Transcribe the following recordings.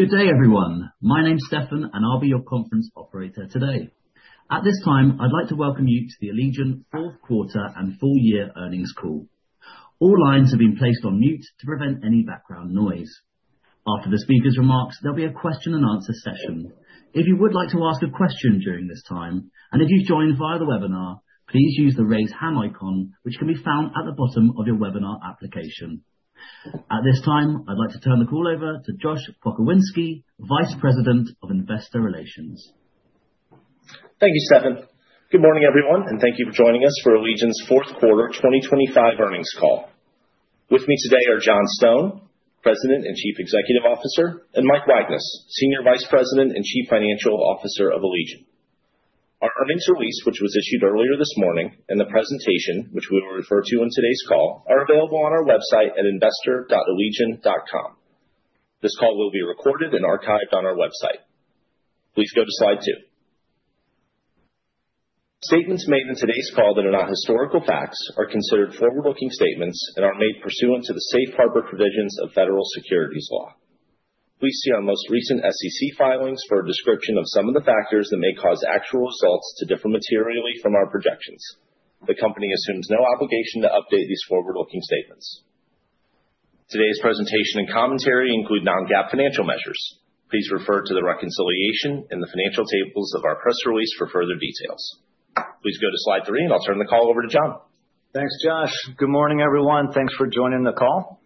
Good day, everyone. My name's Stefan, and I'll be your conference operator today. At this time, I'd like to welcome you to the Allegion fourth quarter and full year earnings call. All lines have been placed on mute to prevent any background noise. After the speaker's remarks, there'll be a question and answer session. If you would like to ask a question during this time, and if you've joined via the webinar, please use the Raise Hand icon, which can be found at the bottom of your webinar application. At this time, I'd like to turn the call over to Josh Pokrzywinski, Vice President of Investor Relations. Thank you, Stefan. Good morning, everyone, and thank you for joining us for Allegion's fourth quarter 2025 earnings call. With me today are John Stone, President and Chief Executive Officer, and Mike Wagnes, Senior Vice President and Chief Financial Officer of Allegion. Our earnings release, which was issued earlier this morning, and the presentation, which we will refer to on today's call, are available on our website at investor.allegion.com. This call will be recorded and archived on our website. Please go to slide 2. Statements made in today's call that are not historical facts are considered forward-looking statements and are made pursuant to the safe harbor provisions of federal securities law. Please see our most recent SEC filings for a description of some of the factors that may cause actual results to differ materially from our projections. The company assumes no obligation to update these forward-looking statements. Today's presentation and commentary include non-GAAP financial measures. Please refer to the reconciliation in the financial tables of our press release for further details. Please go to slide three, and I'll turn the call over to John. Thanks, Josh. Good morning, everyone. Thanks for joining the call.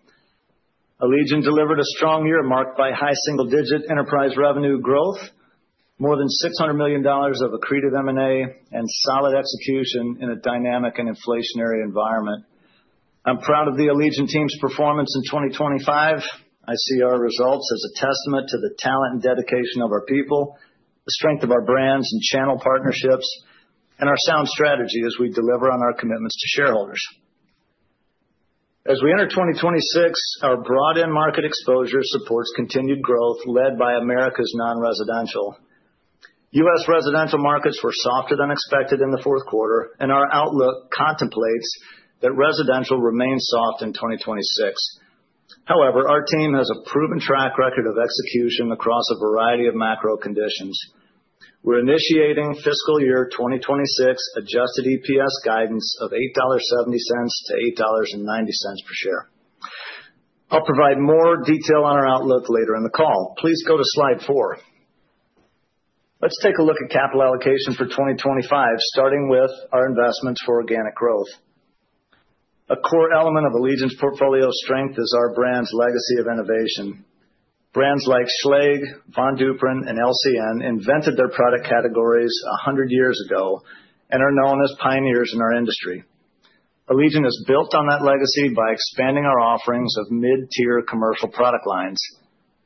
Allegion delivered a strong year marked by high single-digit enterprise revenue growth, more than $600 million of accretive M&A, and solid execution in a dynamic and inflationary environment. I'm proud of the Allegion team's performance in 2025. I see our results as a testament to the talent and dedication of our people, the strength of our brands and channel partnerships, and our sound strategy as we deliver on our commitments to shareholders. As we enter 2026, our broad end market exposure supports continued growth, led by Americas non-residential. U.S. residential markets were softer than expected in the fourth quarter, and our outlook contemplates that residential remains soft in 2026. However, our team has a proven track record of execution across a variety of macro conditions. We're initiating fiscal year 2026 Adjusted EPS guidance of $8.70-$8.90 per share. I'll provide more detail on our outlook later in the call. Please go to slide four. Let's take a look at capital allocation for 2025, starting with our investments for organic growth. A core element of Allegion's portfolio strength is our brand's legacy of innovation. Brands like Schlage, Von Duprin, and LCN invented their product categories 100 years ago and are known as pioneers in our industry. Allegion has built on that legacy by expanding our offerings of mid-tier commercial product lines.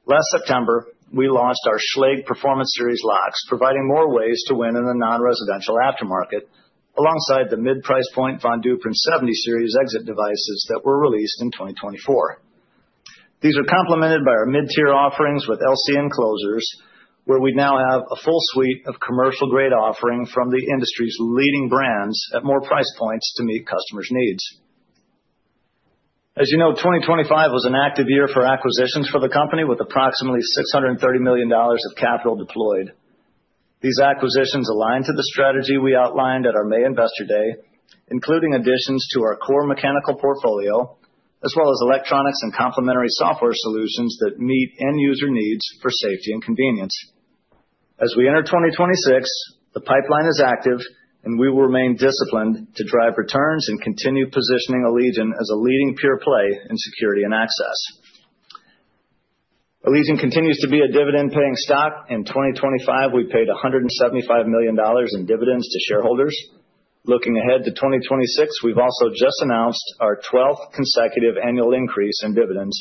Last September, we launched our Schlage Performance Series locks, providing more ways to win in the non-residential aftermarket, alongside the mid-price point Von Duprin 70 Series exit devices that were released in 2024. These are complamented by our mid-tier offerings with LCN closers, where we now have a full suite of commercial-grade offerings from the industry's leading brands at more price points to meet customers' needs. As you know, 2025 was an active year for acquisitions for the company, with approximately $630 million of capital deployed. These acquisitions align to the strategy we outlined at our May Investor Day, including additions to our core mechanical portfolio, as well as electronics and complementary software solutions that meet end-user needs for safety and convenience. As we enter 2026, the pipeline is active, and we will remain disciplined to drive returns and continue positioning Allegion as a leading pure play in security and access. Allegion continues to be a dividend-paying stock. In 2025, we paid $175 million in dividends to shareholders. Looking ahead to 2026, we've also just announced our 12th consecutive annual increase in dividends.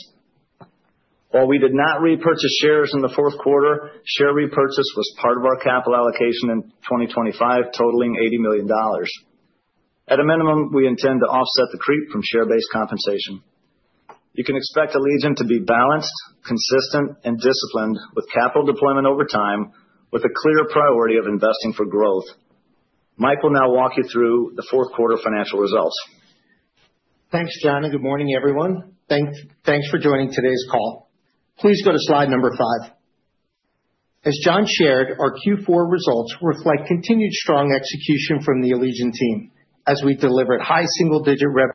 While we did not repurchase shares in the fourth quarter, share repurchase was part of our capital allocation in 2025, totaling $80 million. At a minimum, we intend to offset the creep from share-based compensation. You can expect Allegion to be balanced, consistent, and disciplined with capital deployment over time, with a clear priority of investing for growth. Mike will now walk you through the fourth quarter financial results. Thanks, John, and good morning, everyone. Thanks for joining today's call. Please go to slide number 5. As John shared, our Q4 results reflect continued strong execution from the Allegion team as we delivered high single-digit revenue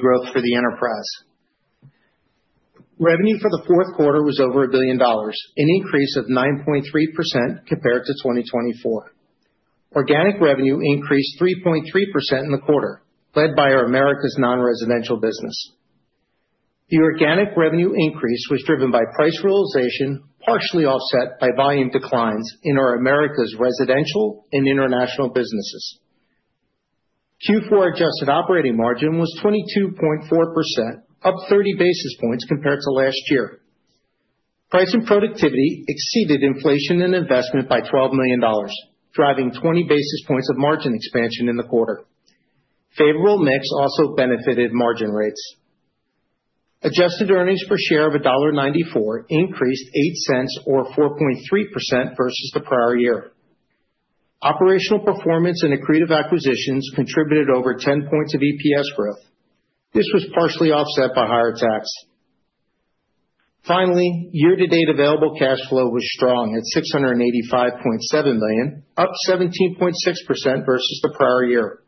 growth for the enterprise. Revenue for the fourth quarter was over $1 billion, an increase of 9.3% compared to 2024. Organic revenue increased 3.3% in the quarter, led by our Americas non-residential business. The organic revenue increase was driven by price realization, partially offset by volume declines in our Americas residential and international businesses. Q4 adjusted operating margin was 22.4%, up 30 basis points compared to last year. Price and productivity exceeded inflation and investment by $12 million, driving 20 basis points of margin expansion in the quarter. Favorable mix also benefited margin rates. Adjusted earnings per share of $1.94 increased 8 cents, or 4.3%, versus the prior year. Operational performance and accretive acquisitions contributed over 10 points of EPS growth. This was partially offset by higher tax. Finally, year-to-date available cash flow was strong at $685.7 million, up 17.6% versus the prior year.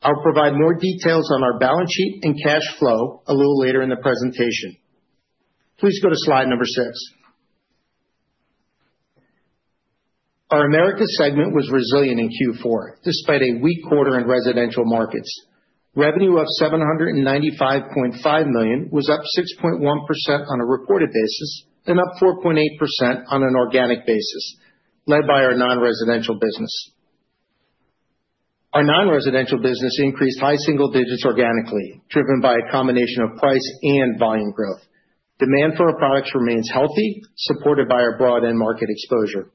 I'll provide more details on our balance sheet and cash flow a little later in the presentation. Please go to slide number 6. Our Americas segment was resilient in Q4, despite a weak quarter in residential markets. Revenue of $795.5 million was up 6.1% on a reported basis, and up 4.8% on an organic basis, led by our non-residential business. Our non-residential business increased high single digits organically, driven by a combination of price and volume growth. Demand for our products remains healthy, supported by our broad end market exposure.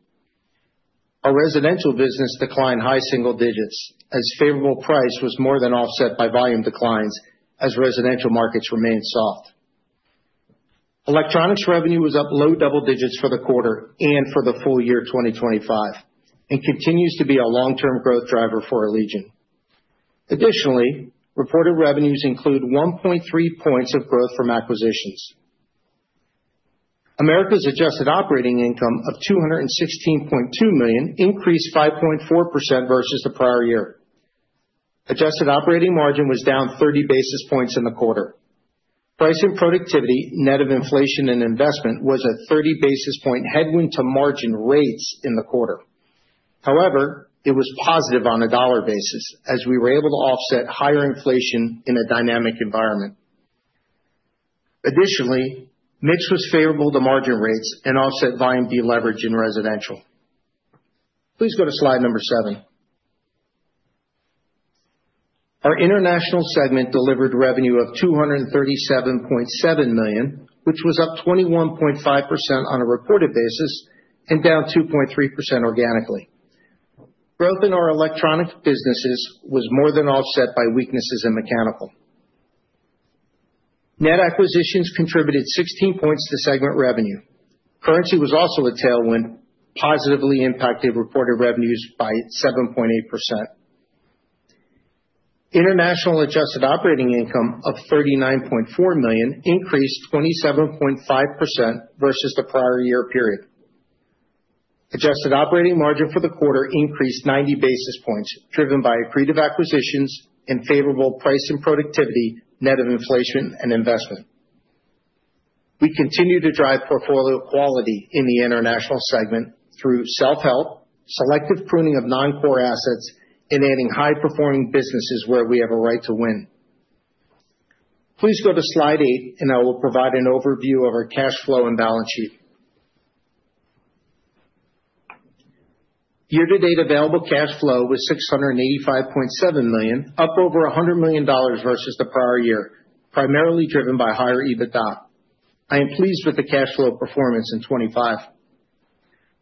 Our residential business declined high single digits as favorable price was more than offset by volume declines as residential markets remained soft. Electronics revenue was up low double digits for the quarter and for the full year 2025, and continues to be a long-term growth driver for Allegion. Additionally, reported revenues include 1.3 points of growth from acquisitions. America's adjusted operating income of $216.2 million increased 5.4% versus the prior year. Adjusted operating margin was down 30 basis points in the quarter. Price and productivity, net of inflation and investment, was a 30 basis point headwind to margin rates in the quarter. However, it was positive on a dollar basis as we were able to offset higher inflation in a dynamic environment. Additionally, mix was favorable to margin rates and offset volume deleverage in residential. Please go to slide number 7. Our international segment delivered revenue of $237.7 million, which was up 21.5% on a reported basis and down 2.3% organically. Growth in our electronic businesses was more than offset by weaknesses in mechanical. Net acquisitions contributed 16 points to segment revenue. Currency was also a tailwind, positively impacting reported revenues by 7.8%. International adjusted operating income of $39.4 million increased 27.5% versus the prior year period. Adjusted operating margin for the quarter increased 90 basis points, driven by accretive acquisitions and favorable price and productivity, net of inflation and investment. We continue to drive portfolio quality in the international segment through self-help, selective pruning of non-core assets, and adding high-performing businesses where we have a right to win. Please go to slide 8, and I will provide an overview of our cash flow and balance sheet. Year-to-date available cash flow was $685.7 million, up over $100 million versus the prior year, primarily driven by higher EBITDA. I am pleased with the cash flow performance in 2025.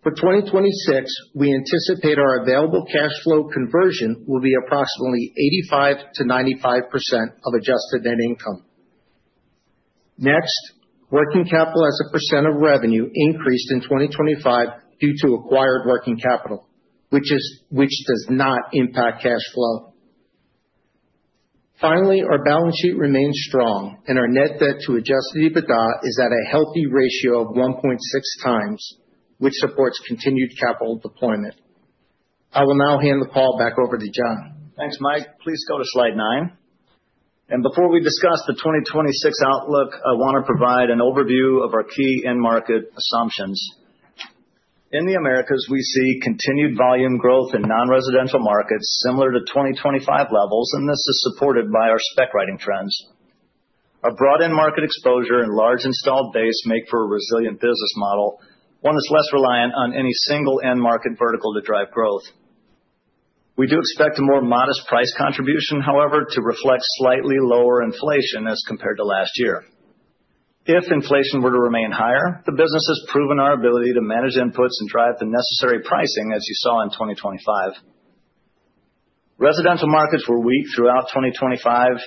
For 2026, we anticipate our available cash flow conversion will be approximately 85%-95% of adjusted net income. Next, working capital as a % of revenue increased in 2025 due to acquired working capital, which does not impact cash flow. Finally, our balance sheet remains strong, and our Net Debt to Adjusted EBITDA is at a healthy ratio of 1.6 times, which supports continued capital deployment. I will now hand the call back over to John. Thanks, Mike. Please go to slide 9. Before we discuss the 2026 outlook, I want to provide an overview of our key end market assumptions. In the Americas, we see continued volume growth in non-residential markets similar to 2025 levels, and this is supported by our spec writing trends. Our broad end market exposure and large installed base make for a resilient business model, one that's less reliant on any single end market vertical to drive growth. We do expect a more modest price contribution, however, to reflect slightly lower inflation as compared to last year. If inflation were to remain higher, the business has proven our ability to manage inputs and drive the necessary pricing, as you saw in 2025. Residential markets were weak throughout 2025.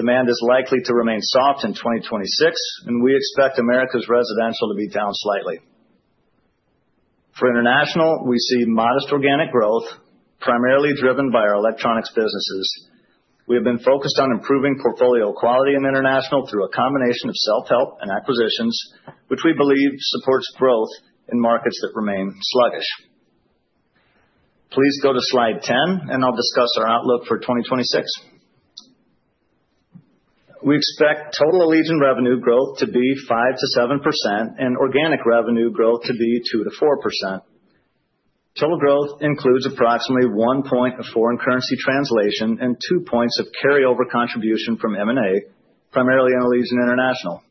Demand is likely to remain soft in 2026, and we expect America's residential to be down slightly. For international, we see modest organic growth, primarily driven by our electronics businesses. We have been focused on improving portfolio quality in international through a combination of self-help and acquisitions, which we believe supports growth in markets that remain sluggish. Please go to slide 10, and I'll discuss our outlook for 2026. We expect total Allegion revenue growth to be 5%-7% and organic revenue growth to be 2%-4%. Total growth includes approximately one point of foreign currency translation and two points of carryover contribution from M&A, primarily in Allegion International.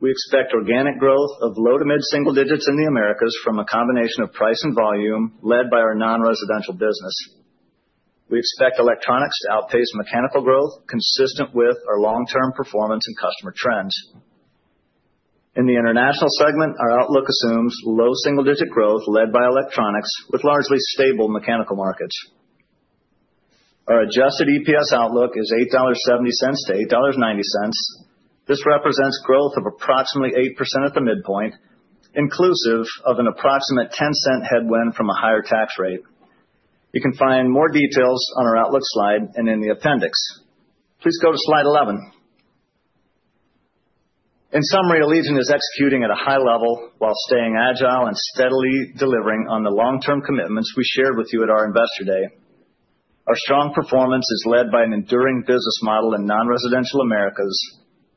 We expect organic growth of low to mid-single digits in the Americas from a combination of price and volume led by our non-residential business. We expect electronics to outpace mechanical growth, consistent with our long-term performance and customer trends. In the international segment, our outlook assumes low single-digit growth led by electronics, with largely stable mechanical markets. Our Adjusted EPS outlook is $8.70-$8.90. This represents growth of approximately 8% at the midpoint, inclusive of an approximate 10-cent headwind from a higher tax rate. You can find more details on our outlook slide and in the appendix. Please go to slide 11. In summary, Allegion is executing at a high level while staying agile and steadily delivering on the long-term commitments we shared with you at our Investor Day. Our strong performance is led by an enduring business model in non-residential Americas,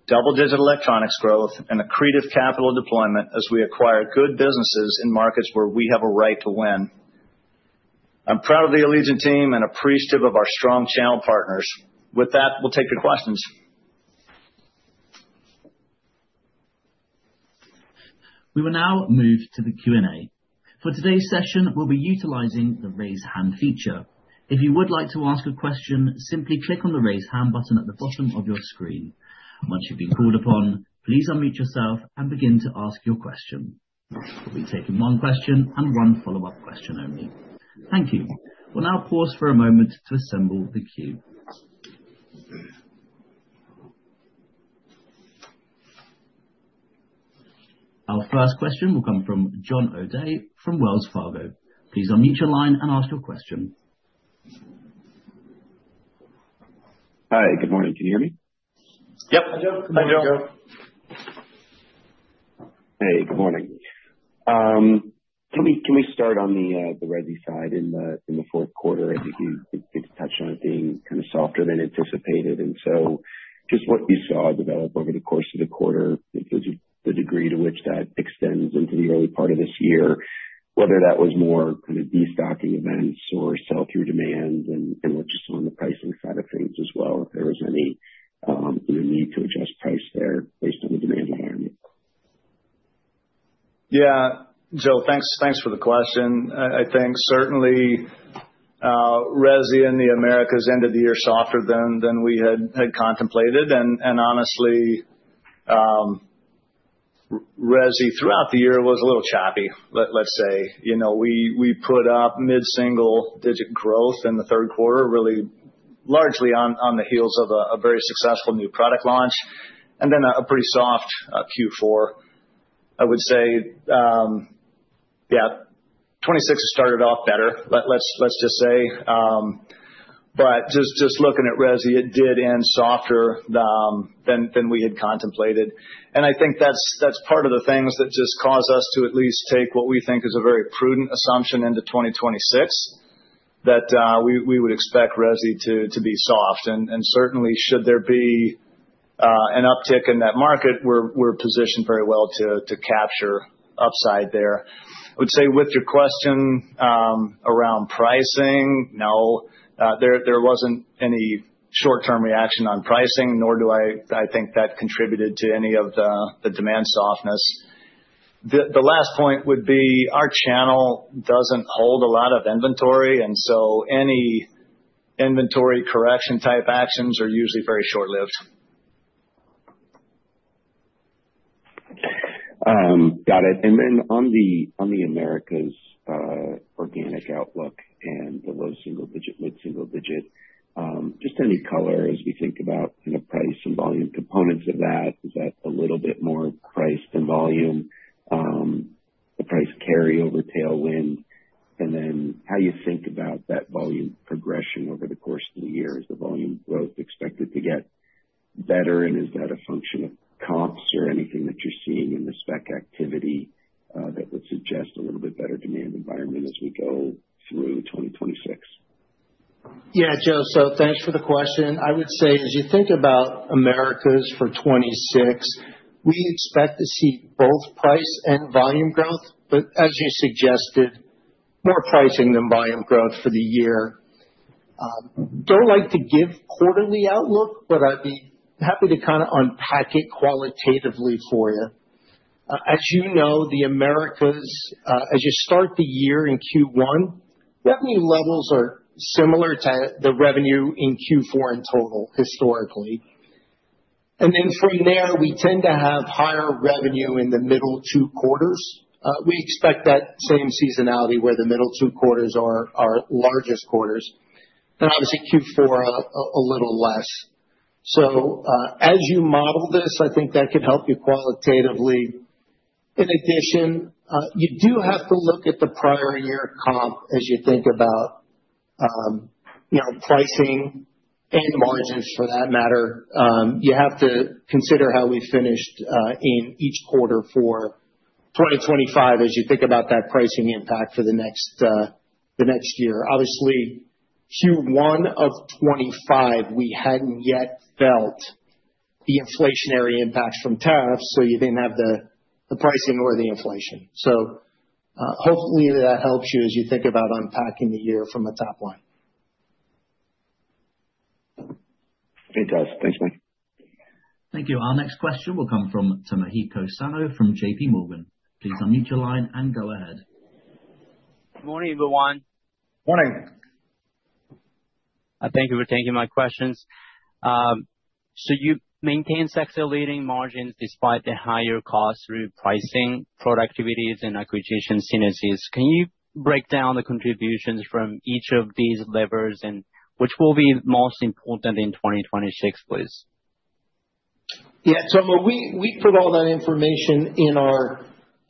double-digit electronics growth, and accretive capital deployment as we acquire good businesses in markets where we have a right to win. I'm proud of the Allegion team and appreciative of our strong channel partners. With that, we'll take your questions. We will now move to the Q&A. For today's session, we'll be utilizing the Raise Hand feature. If you would like to ask a question, simply click on the Raise Hand button at the bottom of your screen. Once you've been called upon, please unmute yourself and begin to ask your question. We'll be taking one question and one follow-up question only. Thank you. We'll now pause for a moment to assemble the queue. Our first question will come from Joe O'Dea from Wells Fargo. Please unmute your line and ask your question. Hi, good morning. Can you hear me? Yep. Hi, Joe. Hi, Joe. Hey, good morning. Can we, can we start on the, the resi side in the, in the fourth quarter? I think you did touch on it being kind of softer than anticipated, and so just what you saw develop over the course of the quarter, the, the degree to which that extends into the early part of this year, whether that was more kind of destocking events or sell-through demand and, and what just on the pricing side of things as well, if there was any, you know, need to adjust price there based on the demand environment. Yeah. Joe, thanks for the question. I think certainly, resi in the Americas ended the year softer than we had contemplated. And honestly, resi throughout the year was a little choppy. Let's say. You know, we put up mid-single digit growth in the third quarter, really largely on the heels of a very successful new product launch, and then a pretty soft Q4. I would say, yeah, 2026 has started off better, let's just say. But just looking at resi, it did end softer than we had contemplated. And I think that's part of the things that just cause us to at least take what we think is a very prudent assumption into 2026, that we would expect resi to be soft. And certainly should there be an uptick in that market, we're positioned very well to capture upside there. I would say with your question around pricing, no, there wasn't any short-term reaction on pricing, nor do I think that contributed to any of the demand softness. The last point would be, our channel doesn't hold a lot of inventory, and so any inventory correction-type actions are usually very short-lived. Got it. And then on the, on the Americas, organic outlook and the low single-digit, mid single-digit, just any color as we think about kind of price and volume components of that. Is that a little bit more price than volume? The price carryover tailwind, and then how you think about that volume progression over the course of the year. Is the volume growth expected to get better, and is that a function of costs or anything that you're seeing in the spec activity, that would suggest a little bit better demand environment as we go through 2026? Yeah, Joe, so thanks for the question. I would say, as you think about Americas for 2026, we expect to see both price and volume growth, but as you suggested, more pricing than volume growth for the year. Don't like to give quarterly outlook, but I'd be happy to kinda unpack it qualitatively for you. As you know, the Americas, as you start the year in Q1, revenue levels are similar to the revenue in Q4 in total, historically. And then from there, we tend to have higher revenue in the middle two quarters. We expect that same seasonality, where the middle two quarters are our largest quarters, and obviously Q4 a little less. So, as you model this, I think that can help you qualitatively. In addition, you do have to look at the prior year comp as you think about, you know, pricing and margins for that matter. You have to consider how we finished, in each quarter for 2025 as you think about that pricing impact for the next, the next year. Obviously, Q1 of 2025, we hadn't yet felt the inflationary impacts from tariffs, so you didn't have the, the pricing or the inflation. So, hopefully that helps you as you think about unpacking the year from a top line. It does. Thanks, man. Thank you. Our next question will come from Tomohiko Sano from JPMorgan. Please unmute your line and go ahead. Good morning, everyone. Morning! Thank you for taking my questions. You've maintained sector-leading margins despite the higher costs through pricing, productivities, and acquisition synergies. Can you break down the contributions from each of these levers, and which will be most important in 2026, please? Yeah, so, we put all that information in our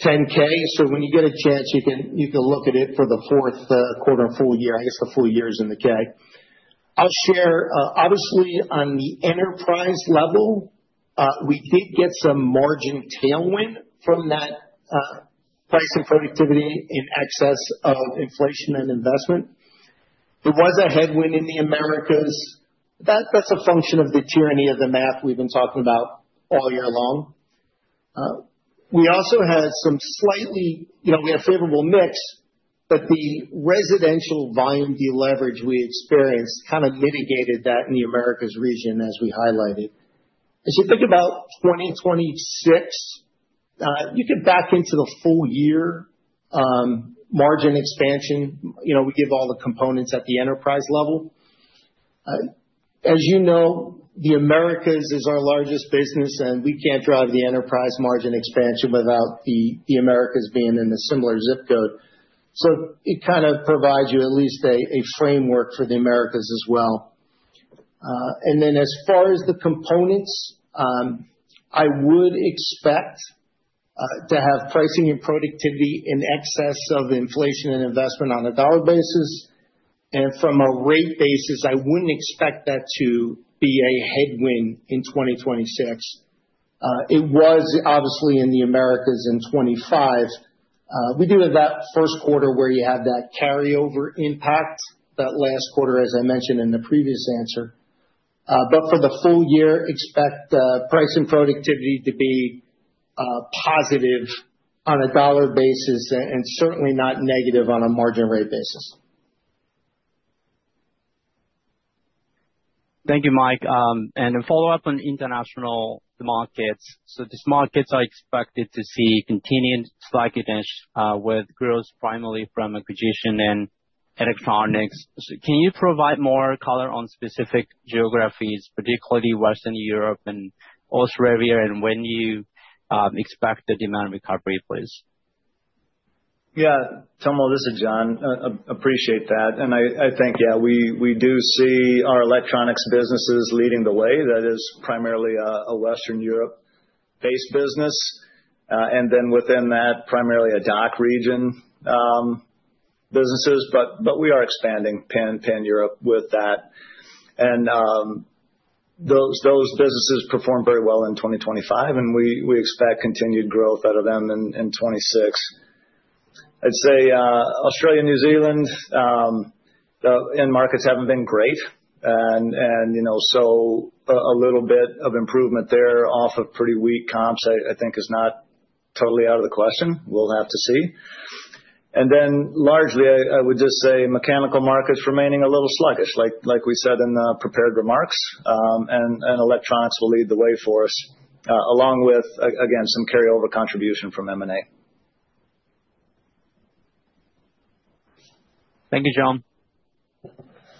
10-K. So when you get a chance, you can look at it for the fourth quarter and full year. I guess the full year is in the 10-K. I'll share, obviously, on the enterprise level, we did get some margin tailwind from that, price and productivity in excess of inflation and investment. There was a headwind in the Americas. That's a function of the tyranny of the math we've been talking about all year long. We also had you know, we had a favorable mix, but the residential volume deleverage we experienced kind of mitigated that in the Americas region, as we highlighted. As you think about 2026, you can back into the full year margin expansion. You know, we give all the components at the enterprise level. As you know, the Americas is our largest business, and we can't drive the enterprise margin expansion without the, the Americas being in a similar zip code. So it kind of provides you at least a, a framework for the Americas as well. And then as far as the components, I would expect to have pricing and productivity in excess of inflation and investment on a dollar basis. And from a rate basis, I wouldn't expect that to be a headwind in 2026. It was obviously in the Americas in 2025. We do have that first quarter where you had that carryover impact, that last quarter, as I mentioned in the previous answer. For the full year, expect price and productivity to be positive on a dollar basis and certainly not negative on a margin rate basis. Thank you, Mike. And a follow-up on international markets: So these markets are expected to see continued sluggishness, with growth primarily from acquisition and electronics. So can you provide more color on specific geographies, particularly Western Europe and Australia, and when you expect the demand recovery, please? Yeah. Tom, well, this is John. Appreciate that. And I think, yeah, we do see our electronics businesses leading the way. That is primarily a Western Europe-based business. And then within that, primarily a DACH region businesses. But we are expanding pan-Europe with that. And those businesses performed very well in 2025, and we expect continued growth out of them in 2026. I'd say Australia, New Zealand end markets haven't been great. And you know, so a little bit of improvement there off of pretty weak comps, I think is not totally out of the question. We'll have to see. And then, largely, I would just say mechanical markets remaining a little sluggish, like we said in the prepared remarks. Electronics will lead the way for us, along with, again, some carryover contribution from M&A. Thank you, John.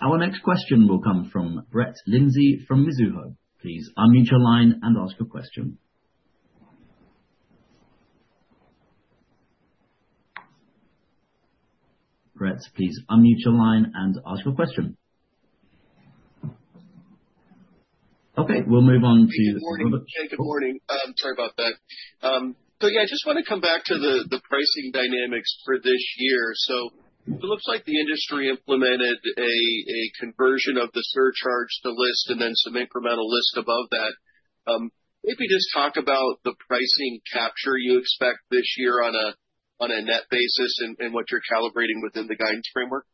Our next question will come from Brett Linzey from Mizuho. Please unmute your line and ask your question. Brett, please unmute your line and ask your question. Okay, we'll move on to the- Good morning. Hey, good morning. Sorry about that. So yeah, I just want to come back to the pricing dynamics for this year. So it looks like the industry implemented a conversion of the surcharge to list and then some incremental list above that. Maybe just talk about the pricing capture you expect this year on a net basis and what you're calibrating within the guidance framework.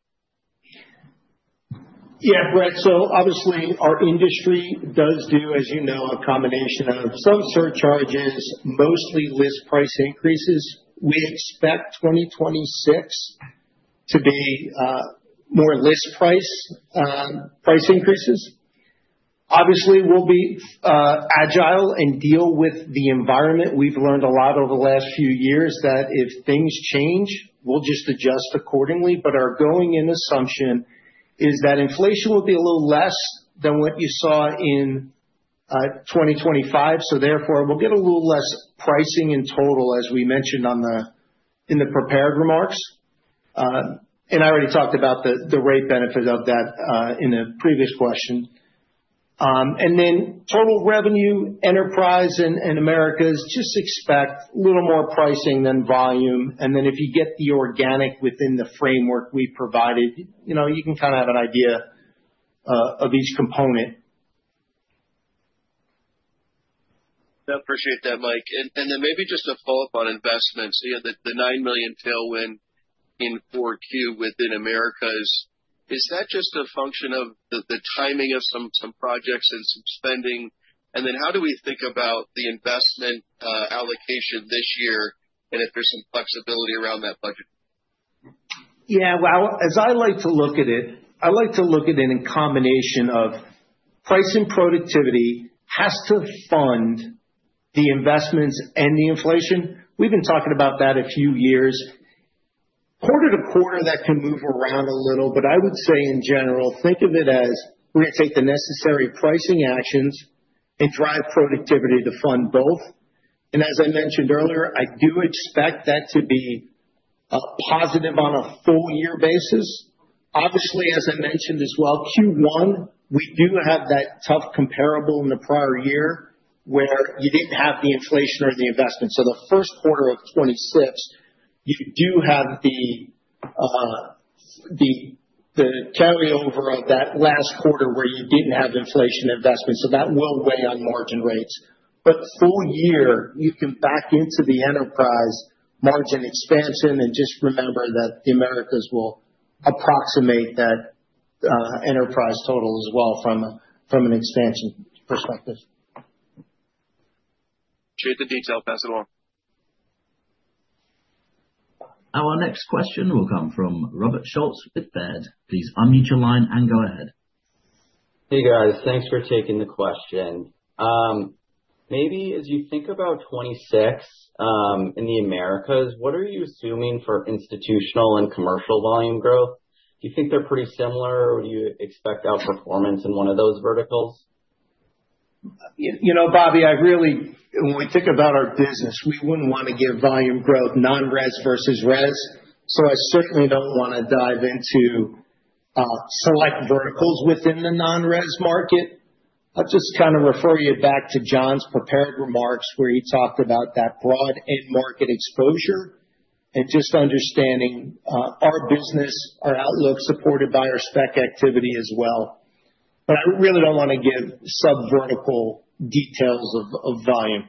Yeah, Brett, so obviously, our industry does do, as you know, a combination of some surcharges, mostly list price increases. We expect 2026 to be more list price price increases. Obviously, we'll be agile and deal with the environment. We've learned a lot over the last few years, that if things change, we'll just adjust accordingly. But our going-in assumption is that inflation will be a little less than what you saw in 2025, so therefore we'll get a little less pricing in total, as we mentioned in the prepared remarks. And I already talked about the rate benefit of that in a previous question. And then total revenue, enterprise and Americas, just expect a little more pricing than volume. And then if you get the organic within the framework we've provided, you know, you can kind of have an idea of each component. I appreciate that, Mike. And then maybe just a follow-up on investments. You know, the $9 million tailwind in Q4 within Americas, is that just a function of the timing of some projects and some spending? And then how do we think about the investment allocation this year, and if there's some flexibility around that budget? Yeah, well, as I like to look at it, I like to look at it in combination of price and productivity has to fund the investments and the inflation. We've been talking about that a few years. Quarter to quarter, that can move around a little, but I would say in general, think of it as we're going to take the necessary pricing actions and drive productivity to fund both. And as I mentioned earlier, I do expect that to be a positive on a full year basis. Obviously, as I mentioned as well, Q1, we do have that tough comparable in the prior year, where you didn't have the inflation or the investment. So the first quarter of 2026, you do have the, the, the carryover of that last quarter where you didn't have inflation investment, so that will weigh on margin rates. But full year, you can back into the enterprise margin expansion and just remember that the Americas will approximate that, enterprise total as well from an expansion perspective. Appreciate the detail. Pass it on. Our next question will come from Robert Schultz with Baird. Please unmute your line and go ahead. Hey, guys. Thanks for taking the question. Maybe as you think about 2026, in the Americas, what are you assuming for institutional and commercial volume growth? Do you think they're pretty similar, or do you expect outperformance in one of those verticals? You know, Bobby, I really, when we think about our business, we wouldn't want to give volume growth, non-res versus res, so I certainly don't want to dive into select verticals within the non-res market. I'll just kind of refer you back to John's prepared remarks, where he talked about that broad end market exposure and just understanding our business, our outlook, supported by our spec activity as well. But I really don't want to give sub-vertical details of volume.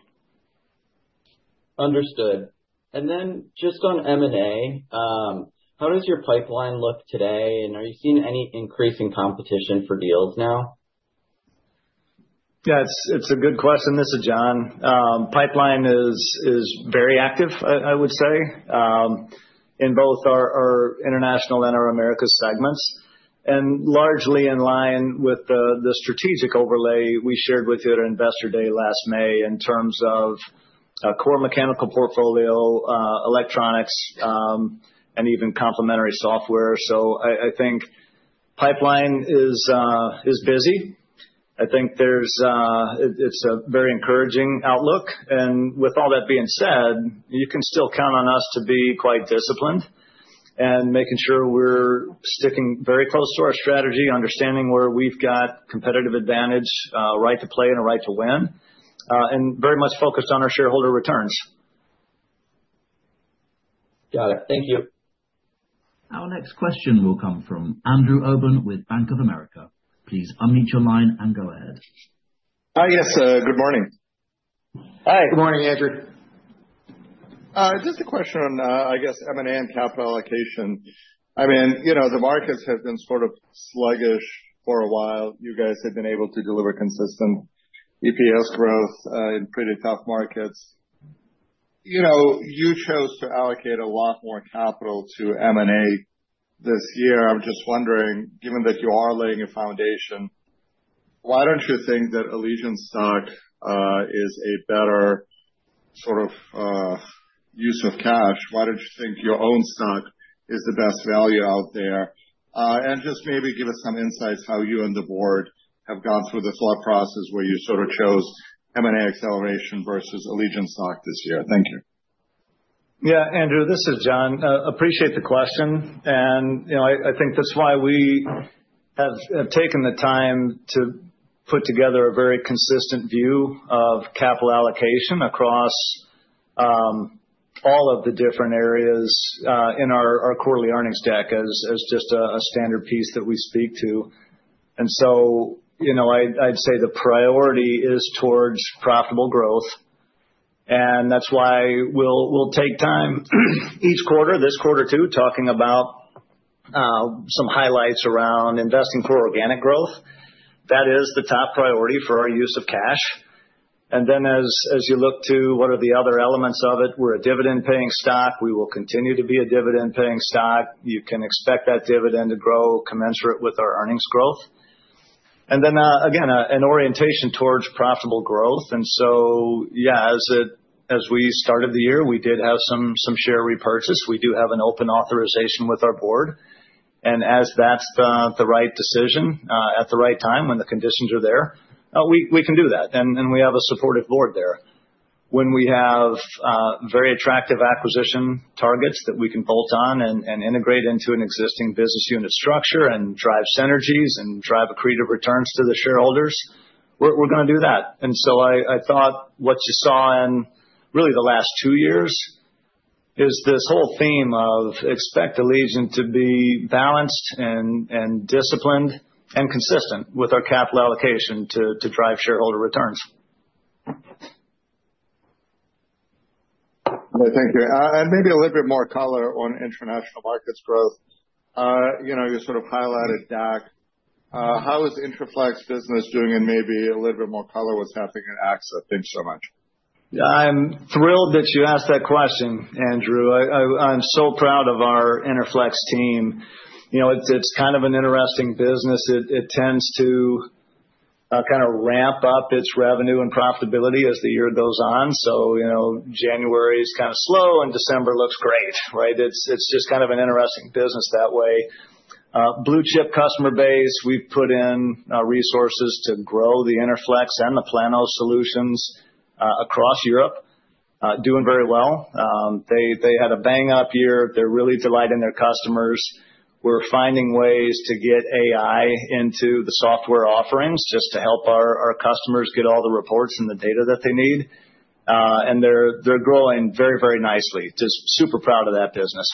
Understood. And then just on M&A, how does your pipeline look today, and are you seeing any increase in competition for deals now? Yeah, it's a good question. This is John. Pipeline is very active, I would say, in both our international and our Americas segments, and largely in line with the strategic overlay we shared with you at Investor Day last May, in terms of a core mechanical portfolio, electronics, and even complementary software. So I think pipeline is busy. I think there's it, it's a very encouraging outlook, and with all that being said, you can still count on us to be quite disciplined and making sure we're sticking very close to our strategy, understanding where we've got competitive advantage, right to play and a right to win, and very much focused on our shareholder returns. Got it. Thank you. Our next question will come from Andrew Obin with Bank of America. Please unmute your line and go ahead. Hi, yes, good morning. Hi, good morning, Andrew. Just a question on, I guess M&A and capital allocation. I mean, you know, the markets have been sort of sluggish for a while. You guys have been able to deliver consistent EPS growth, in pretty tough markets. You know, you chose to allocate a lot more capital to M&A this year. I'm just wondering, given that you are laying a foundation, why don't you think that Allegion stock, is a better sort of, use of cash? Why don't you think your own stock is the best value out there? And just maybe give us some insights how you and the board have gone through the thought process where you sort of chose M&A acceleration versus Allegion stock this year. Thank you. Yeah, Andrew, this is John. Appreciate the question, and, you know, I think that's why we have taken the time to put together a very consistent view of capital allocation across all of the different areas in our quarterly earnings deck as just a standard piece that we speak to. And so, you know, I'd say the priority is towards profitable growth, and that's why we'll take time each quarter, this quarter too, talking about some highlights around investing for organic growth. That is the top priority for our use of cash. And then as you look to what are the other elements of it, we're a dividend paying stock. We will continue to be a dividend paying stock. You can expect that dividend to grow commensurate with our earnings growth. Again, an orientation towards profitable growth. And so, yeah, as we started the year, we did have some share repurchase. We do have an open authorization with our board, and as that's the right decision at the right time, when the conditions are there, we can do that, and we have a supportive board there. When we have very attractive acquisition targets that we can bolt on and integrate into an existing business unit structure and drive synergies and drive accretive returns to the shareholders, we're gonna do that. And so I thought what you saw in really the last two years is this whole theme of expect Allegion to be balanced and disciplined, and consistent with our capital allocation to drive shareholder returns. Thank you. And maybe a little bit more color on international markets growth. You know, you sort of highlighted DACH. How is Interflex business doing? And maybe a little bit more color what's happening in AXA. Thanks so much. I'm thrilled that you asked that question, Andrew. I'm so proud of our Interflex team. You know, it's kind of an interesting business. It tends to-... kind of ramp up its revenue and profitability as the year goes on. So, you know, January is kind of slow, and December looks great, right? It's, it's just kind of an interesting business that way. Blue chip customer base, we've put in, resources to grow the Interflex and the Plano solutions, across Europe. Doing very well. They, they had a bang-up year. They're really delighting their customers. We're finding ways to get AI into the software offerings, just to help our, our customers get all the reports and the data that they need. And they're, they're growing very, very nicely. Just super proud of that business.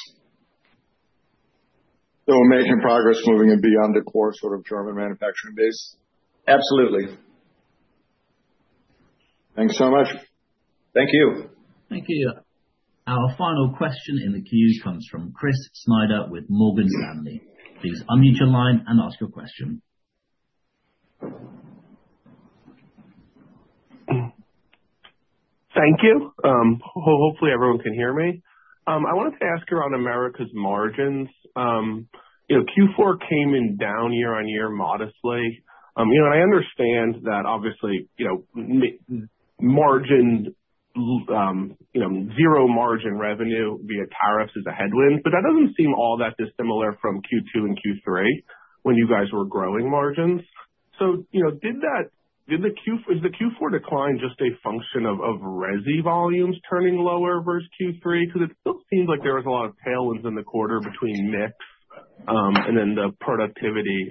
We're making progress moving it beyond the core sort of German manufacturing base? Absolutely. Thanks so much. Thank you. Thank you. Our final question in the queue comes from Chris Snyder with Morgan Stanley. Please unmute your line and ask your question. Thank you. Hopefully everyone can hear me. I wanted to ask around Americas margins. You know, Q4 came in down year-over-year, modestly. You know, and I understand that obviously, you know, margin dilution via tariffs is a headwind, but that doesn't seem all that dissimilar from Q2 and Q3, when you guys were growing margins. So, you know, is the Q4 decline just a function of resi volumes turning lower versus Q3? Because it still seems like there was a lot of tailwinds in the quarter between mix and then the productivity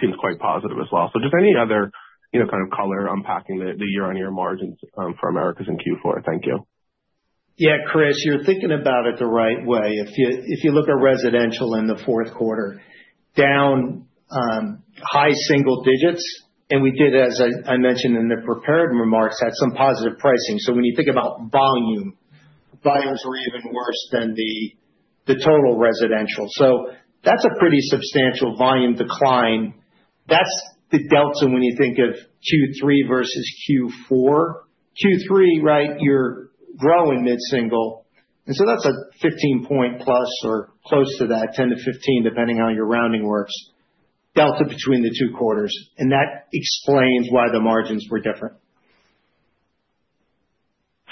seems quite positive as well. So just any other, you know, kind of color unpacking the year-over-year margins for Americas in Q4. Thank you. Yeah, Chris, you're thinking about it the right way. If you look at residential in the fourth quarter, down high single digits, and we did, as I mentioned in the prepared remarks, had some positive pricing. So when you think about volume, volumes were even worse than the total residential. So that's a pretty substantial volume decline. That's the delta when you think of Q3 versus Q4. Q3, right, you're growing mid-single, and so that's a 15-point plus or close to that, 10-15, depending on how your rounding works, delta between the two quarters, and that explains why the margins were different.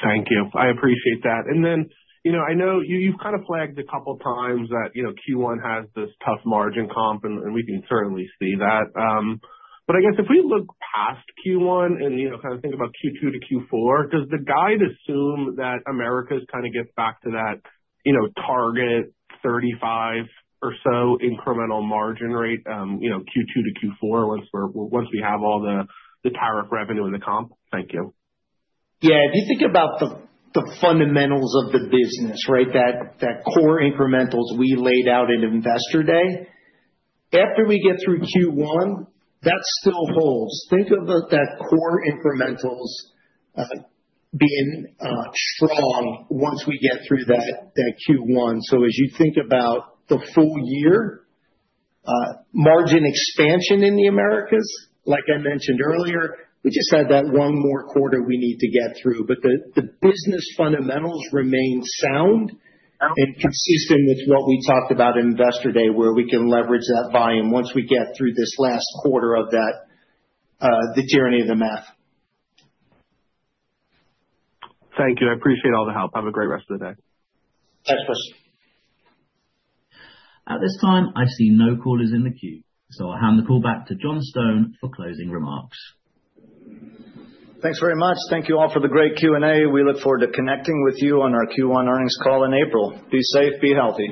Thank you. I appreciate that. And then, you know, I know you've kind of flagged a couple times that, you know, Q1 has this tough margin comp, and we can certainly see that. But I guess if we look past Q1 and, you know, kind of think about Q2 to Q4, does the guide assume that Americas kind of gets back to that, you know, target 35 or so incremental margin rate, you know, Q2 to Q4, once we have all the tariff revenue in the comp? Thank you. Yeah. If you think about the fundamentals of the business, right? That core incrementals we laid out in Investor Day, after we get through Q1, that still holds. Think about that core incrementals being strong once we get through that Q1. So as you think about the full year, margin expansion in the Americas, like I mentioned earlier, we just had that one more quarter we need to get through. But the business fundamentals remain sound and consistent with what we talked about in Investor Day, where we can leverage that volume once we get through this last quarter of that the tyranny of the math. Thank you. I appreciate all the help. Have a great rest of the day. Thanks, Chris. At this time, I see no callers in the queue, so I'll hand the call back to John Stone for closing remarks. Thanks very much. Thank you all for the great Q&A. We look forward to connecting with you on our Q1 earnings call in April. Be safe, be healthy.